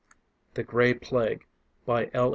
The Gray Plague _By L.